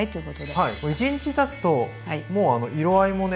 はい１日たつともうあの色合いもね